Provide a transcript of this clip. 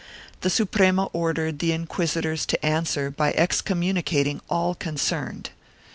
The Suprema ordered the inquisitors to answer by excommunicating all concerned.